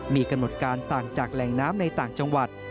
มีกำหนดการต่างจากแหล่งน้ำในต่างจังหวัด